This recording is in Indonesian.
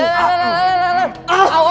jadi akan berusaha semaksimal